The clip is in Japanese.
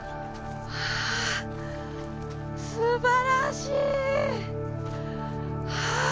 すばらしい！